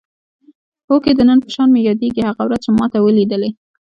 هوکې د نن په شان مې یادېږي هغه ورځ چې ما ته ولیدلې.